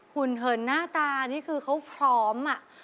ุ่นเหินหน้าตานี่คือเขาพร้อม